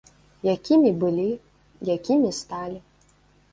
Якімі былі, якімі сталі?